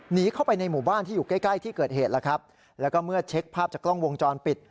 หนีเข้าไปในหมู่บ้านที่อยู่ใกล้ใกล้ที่เกิดเหตุแล้วครับแล้วก็เมื่อเช็คภาพจากกล้องวงจรปิด